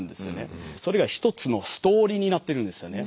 それが一つのストーリーになってるんですよね。